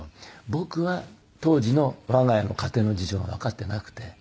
僕は当時の我が家の家庭の事情をわかっていなくて。